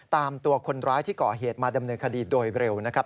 ตามตัวคนร้ายที่ก่อเหตุมาดำเนินคดีโดยเร็วนะครับ